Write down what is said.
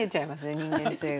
人間性が。